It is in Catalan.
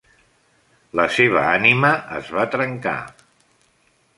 La seva ànima es va trencar.